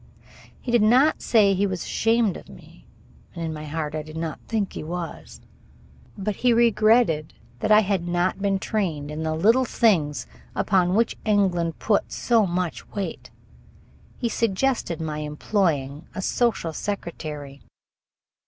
He did not say he was ashamed of me, and in my heart I do not think he was; but he regretted that I had not been trained in the little things upon which England put so much weight. He suggested my employing a social secretary.